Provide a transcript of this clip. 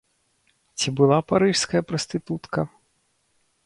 Ці была парыжская прастытутка?